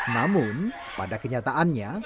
namun pada kenyataannya